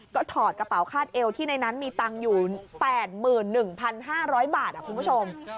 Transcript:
ก็ถอดกระเป๋าคาดเอวที่ในนั้นมีตังค์อยู่๘๑๕๐๐บาทคุณผู้ชม